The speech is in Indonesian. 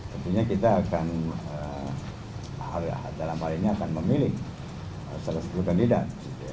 tentunya kita akan dalam hal ini akan memilih salah satu kandidat